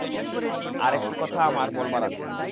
আর-একটি কথা আমার বলবার আছে।